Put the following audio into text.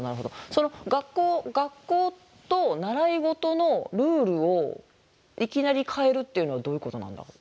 その学校と習い事のルールをいきなり変えるっていうのはどういうことなんだろう？